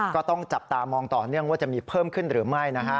ก็ต้องจับตามองต่อว่าจะมีเพิ่มขึ้นหรือไม่